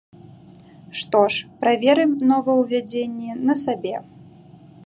Што ж, праверым новаўвядзенні на сабе.